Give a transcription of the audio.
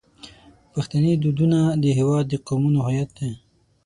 پښتني دودونه د هیواد د قومونو هویت دی.